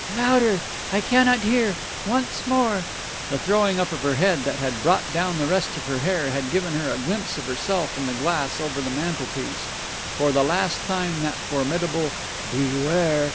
"Louder! I cannot hear! Once more " The throwing up of her head that had brought down the rest of her hair had given her a glimpse of herself in the glass over the mantelpiece. For the last time that formidable "Beware!"